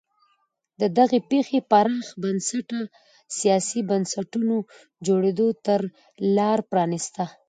دغې پېښې پراخ بنسټه سیاسي بنسټونو جوړېدو ته لار پرانیسته.